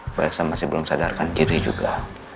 mbak elsa masih belum sadarkan diri juga